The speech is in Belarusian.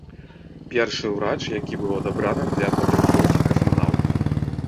Першы урач, які быў адабраны для падрыхтоўкі касманаўтаў.